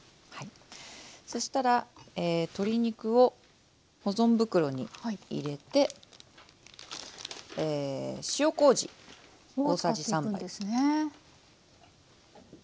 そしたら鶏肉を保存袋に入れて塩こうじ大さじ３杯です。